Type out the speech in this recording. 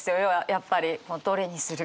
やっぱりどれにするか。